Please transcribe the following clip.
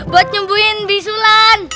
buat nyembuhin bisulan